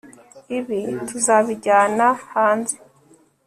Ibi tuzabijyana hanze